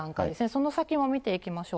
その先も見ていきましょう。